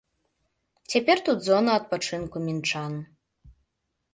Цяпер тут зона адпачынку мінчан.